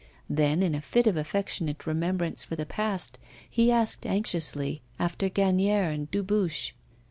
Then, in a fit of affectionate remembrance for the past, he asked anxiously after Gagnière and Dubuche.